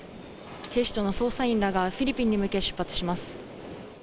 警視庁の捜査員らが、フィリピンに向け出発します。